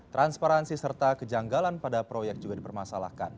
transparansi serta kejanggalan pada proyek juga dipermasalahkan